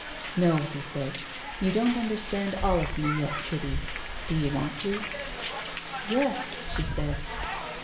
" No," he said. " You don't understand all of me yet, Kitty. Do you want to ?"" Yes," she said.